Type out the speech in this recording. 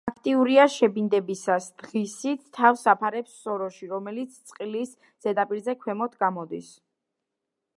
აქტიურია შებინდებისას, დღისით თავს აფარებს სოროში, რომელიც წყლის ზედაპირზე ქვემოთ გამოდის.